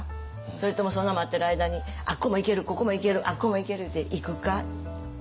それともその待ってる間にあっこも行けるここも行けるあっこも行けるいうて行くか？